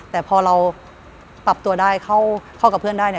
แต่พอเราปรับตัวได้เข้ากับเพื่อนได้เนี่ย